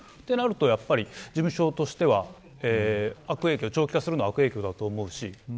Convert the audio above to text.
となると、事務所としては悪影響、長期化するのは悪影響だと思うし。